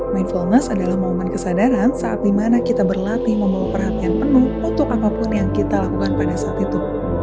mindfulness adalah momen kesadaran saat dimana kita berlatih membawa perhatian penuh untuk apapun yang kita lakukan pada saat itu